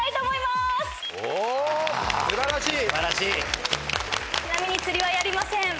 すばらしいちなみに釣りはやりません